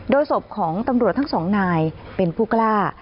โดยศพของตำรวจทั้งสองนายเป็นผู้กล้า